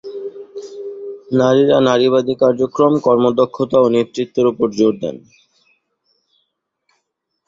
নারীরা নারীবাদী কার্যক্রম, কর্মদক্ষতা ও নেতৃত্বের উপর জোর দেন।